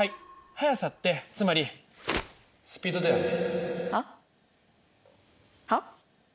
速さってつまりスピードだよね！